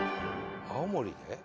青森で？